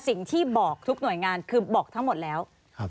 สิ่งที่บอกทุกหน่วยงานคือบอกทั้งหมดแล้ว